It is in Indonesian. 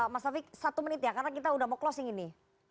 mas taufik satu menit ya karena kita sudah mau closing ini